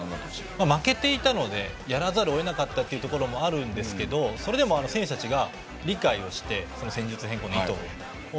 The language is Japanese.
負けていたのでやらざるを得なかったというところもあるんですけどそれでも選手たちが理解をして戦術変更の意図を。